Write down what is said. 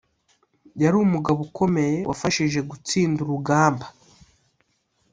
yari umugabo ukomeye wabashije gutsinda urugamba